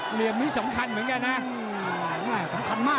เหลี่ยมนี้สำคัญเหมือนกันนะ